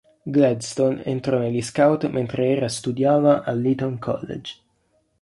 Gladstone entrò negli scout mentre era studiava all'Eton College.